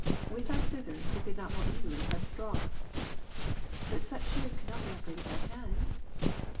With our scissors we could not more easily cut a straw. ''^^ But such shears cannot be operated by hand